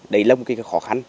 đầy lông cái khó khăn